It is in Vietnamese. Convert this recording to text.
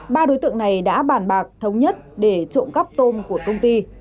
ba đối tượng này đã bàn bạc thống nhất để trộm cắp tôm của công ty